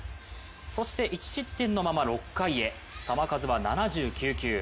そして１失点のまま６回へ球数は７９球。